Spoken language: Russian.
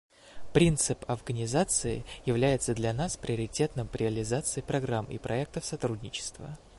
Принцип «афганизации» является для нас приоритетным при реализации программ и проектов сотрудничества.